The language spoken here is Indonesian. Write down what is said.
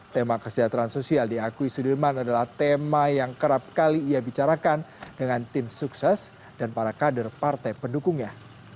tema kesejahteraan sosial diakui sudirman adalah tema yang kerap kali ia bicarakan dengan tim sukses dan para kader partai pendukungnya